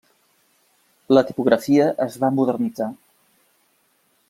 La tipografia es va modernitzar.